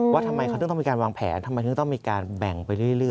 ว่าทำไมเขาถึงต้องมีการวางแผนทำไมถึงต้องมีการแบ่งไปเรื่อย